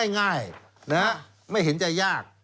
ง่ายไม่เห็นจะยาก